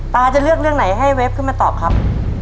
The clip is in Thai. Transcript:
จะเลือกเรื่องไหนให้เวฟขึ้นมาตอบครับ